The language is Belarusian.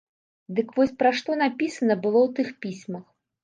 Дык вось пра што напісана было ў тых пісьмах.